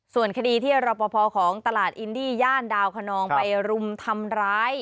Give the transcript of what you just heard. ส่วนคดีที่รอปภของตลาดอินดี้ย่านดาวคนนองไปรุมทำร้าย